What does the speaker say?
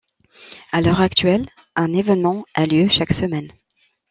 À l'heure actuelle, un événement a lieu chaque semaine.